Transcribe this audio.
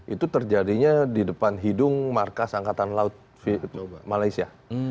itu terjadinya di depan hidung markas angkatan laut malaysia